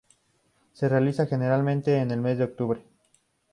Se realiza generalmente en el mes de octubre.